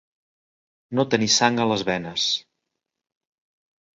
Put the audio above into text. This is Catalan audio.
No tenir sang a les venes.